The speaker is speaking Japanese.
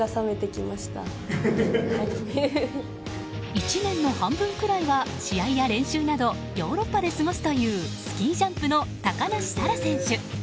１年の半分くらいは試合や練習などヨーロッパで過ごすというスキージャンプの高梨沙羅選手。